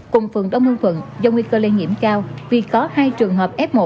cùng phường đông hưng quận do nguy cơ lây nhiễm cao vì có hai trường hợp f một